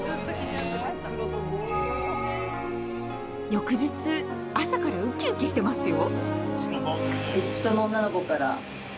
翌日朝からウキウキしてますよ？